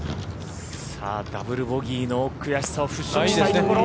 ダブルボギーの悔しさを払拭したいところ。